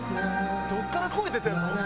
どこから声出てるの？